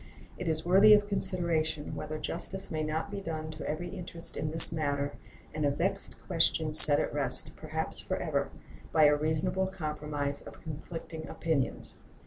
It is worthy of consideration whether justice may not be done to every interest in this matter, and a vexed question set at rest, perhaps forever, by a reasonable compromise of conflicting opinions.